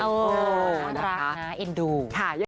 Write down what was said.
น่ารักนะเอ็นดู